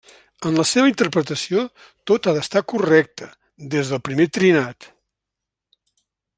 En la seva interpretació tot ha d'estar correcte, des del primer trinat.